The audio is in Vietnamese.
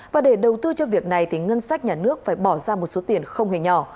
và để đầu tư cho việc này thì ngân sách nhà nước phải bỏ ra một số tiền không hề nhỏ